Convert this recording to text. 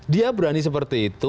dia berani seperti itu